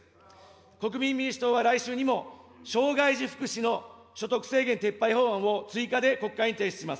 国民民主党は来週にも、障害児福祉の所得制限撤廃法案を追加で国会に提出します。